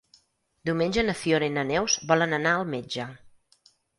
Diumenge na Fiona i na Neus volen anar al metge.